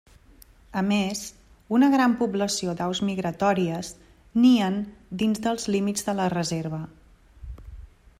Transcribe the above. A més, una gran població d'aus migratòries nien dins dels límits de la reserva.